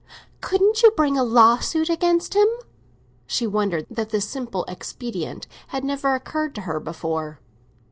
"Couldn't you bring a lawsuit against him?" She wondered that this simple expedient had never occurred to her before.